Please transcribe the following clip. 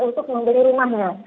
untuk membeli rumahnya